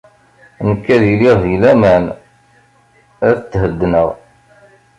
Nekk ad iliɣ di laman, ad theddneɣ.